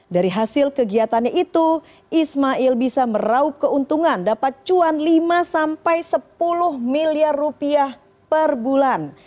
dari hasil kegiatannya itu ismail bisa meraup keuntungan dapat cuan lima sampai sepuluh miliar rupiah per bulan